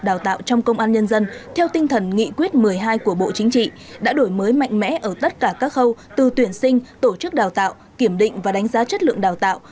đào tạo trong công an nhân dân theo tinh thần nghị quyết một mươi hai của bộ chính trị đã đổi mới mạnh mẽ ở tất cả các khâu từ tuyển sinh tổ chức đào tạo kiểm định và đánh giá chất lượng đào tạo